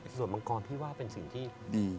ส่วนมังกรพี่ว่าเป็นสิ่งที่ดี